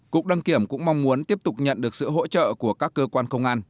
cục đăng kiểm cũng mong muốn tiếp tục nhận được sự hỗ trợ của các cơ quan công an